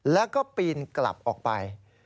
แล้วก็ปีนกลับออกไป